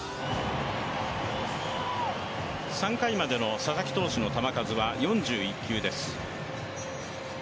３回までの佐々木投手の球数は４１球です。